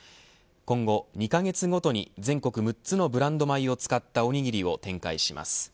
今後２カ月ごとに全国６つのブランド米を使ったおにぎりを展開します。